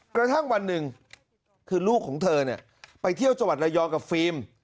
กระทั่งวันหนึ่งคือลูกของเธอไปเที่ยวจังหวัดระยองกับฟิล์ม